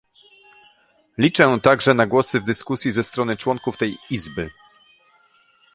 Liczę także na głosy w dyskusji ze strony członków tej Izby